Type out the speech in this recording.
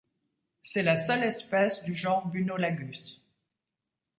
C'est la seule espèce du genre Bunolagus.